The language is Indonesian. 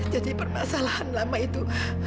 jadi permasalahan lama itu